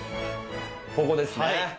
ここですね。